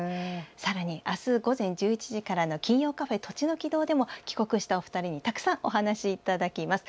さらに明日午前１１時からの「金曜カフェとちのき堂」でも帰国したお二人にたくさんお話いただきます。